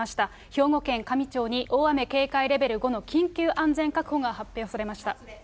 兵庫県香美町に、大雨警戒レベル５の緊急安全確保が発表されました。